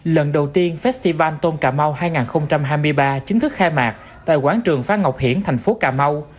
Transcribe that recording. lần đầu tiên festival tôn cà mau hai nghìn hai mươi ba chính thức khai mạc tại quán trường phá ngọc hiển thành phố cà mau